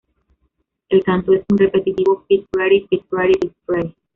El canto es un repetitivo "pit-pretty, pit-pretty, pit-pretty".